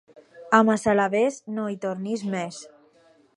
A Massalavés no hi tornis més.